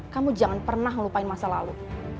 kamu jangan pernah ngelupain masa lalu